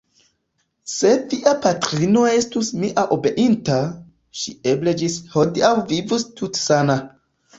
Se via patrino estus min obeinta, ŝi eble ĝis hodiaŭ vivus tute sana.